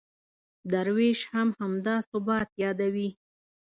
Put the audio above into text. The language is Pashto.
درویش هم همدا ثبات یادوي.